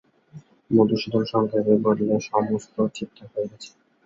মধুসূদন সংক্ষেপে বললে, সমস্ত ঠিকঠাক হয়ে গেছে।